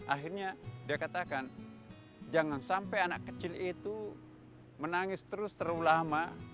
akhirnya dia katakan jangan sampai anak kecil itu menangis terus terlalu lama